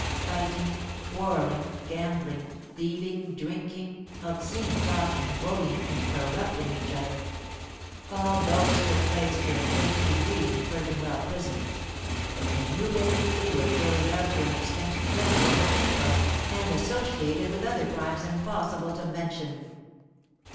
Fighting, quarrelling, gambling, thieving, drinking, obscene talking, bullying, and corrupting each other,—all those took place to a great degree in the Clerkenwell Prison; but in Newgate they were carried out to an extent dreadful to think of, and associated with other crimes impossible to mention.